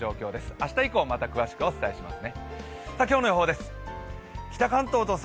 明日以降また詳しくお伝えします。